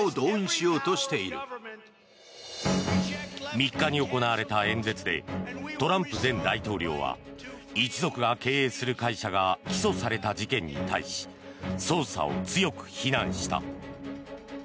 ３日に行われた演説でトランプ前大統領は一族が経営する会社が起訴された事件に対し捜査を強く非難した。